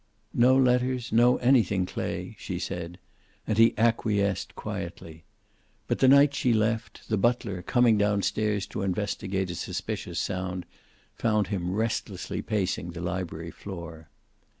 "No letters, no anything, Clay," she said, and he acquiesced quietly. But the night she left, the butler, coming downstairs to investigate a suspicious sound, found him restlessly pacing the library floor.